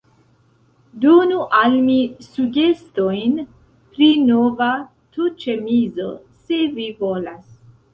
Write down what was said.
Donu al mi sugestojn pri nova t-ĉemizo, se vi volas.